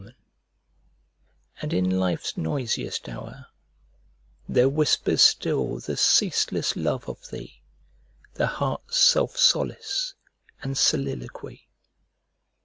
25 And in Life's noisiest hour There whispers still the ceaseless love of thee, The heart's self solace } and soliloquy.